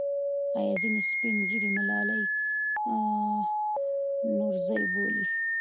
آیا ځینې سپین ږیري ملالۍ نورزۍ بولي؟